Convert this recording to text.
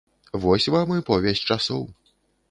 Вось вам і повязь часоў!